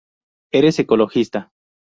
Eres ecologista